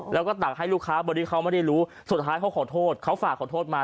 แล้วก็ตักให้ลูกค้าบนที่เขาไม่ได้รู้สุดท้ายเขาขอโทษเขาฝากขอโทษมา